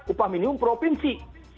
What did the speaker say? upah minimum provinsi